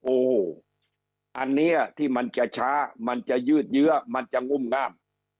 โอ้อันนี้ที่มันจะช้ามันจะยืดเยื้อมันจะงุ่มงาม